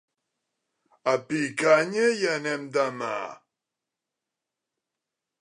A Picanya hi anem demà.